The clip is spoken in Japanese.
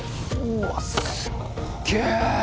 うわっすっげえ！